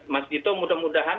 mas dito mudah mudahan